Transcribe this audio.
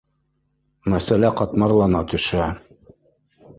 Мәсьәлә ҡатмарлана төшә